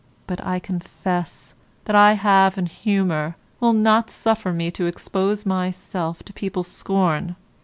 But I confess that I have an humour will not suffer me to expose myself to people's scorn.